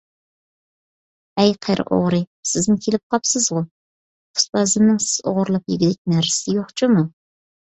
ھەي قېرى ئوغرى، سىزمۇ كېلىپ قاپسىزغۇ؟ ئۇستازىمنىڭ سىز ئوغرىلاپ يېگۈدەك نەرسىسى يوق جۇمۇ!